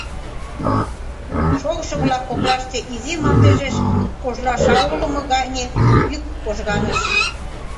Шогышо-влак коклаште изи мардежеш кожла шаулымо гане йӱк кожганыш.